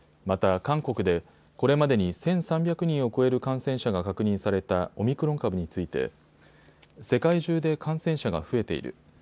また韓国でこれまでに１３００人を超える感染者が確認されたオミクロン株について世界中で感染者が増えている。